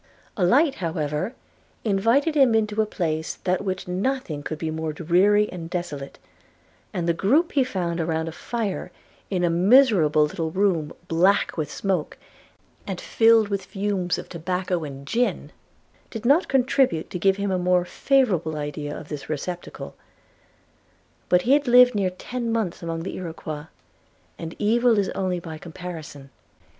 A light, however, invited him into a place than which nothing could be more dreary and desolate, and the group he found around a fire in a miserable little room black with smoke, and filled with the fumes of tobacco and gin, did not contribute to give him a more favourable idea of this receptacle: but he had lived near ten months among the Iroquois; and evil is only by comparison.